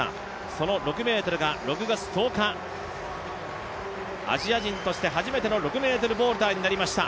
その６ｍが６月１０日アジア人として初めての６ｍボールターになりました。